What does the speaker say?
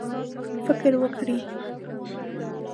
فکر وکړئ